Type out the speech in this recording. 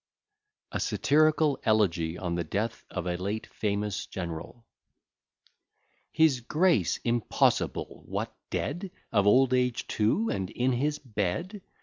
] A SATIRICAL ELEGY ON THE DEATH OF A LATE FAMOUS GENERAL His Grace! impossible! what, dead! Of old age too, and in his bed!